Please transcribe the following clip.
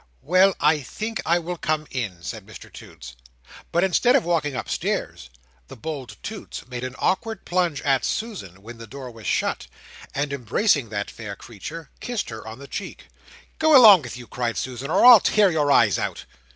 "Well, I think I will come in!" said Mr Toots. But instead of walking upstairs, the bold Toots made an awkward plunge at Susan when the door was shut, and embracing that fair creature, kissed her on the cheek. "Go along with you!" cried Susan, "or Ill tear your eyes out."